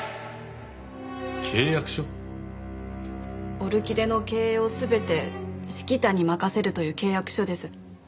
オルキデの経営を全てｓｈｉｋｉｔａに任せるという契約書です。